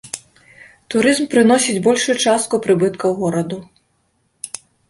Турызм прыносіць большую частку прыбыткаў гораду.